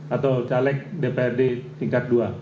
atau caleg dprd tingkat dua